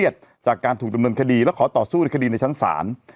จากการถูกดำเนินคดีและขอต่อสู้ในคดีในชั้นศาล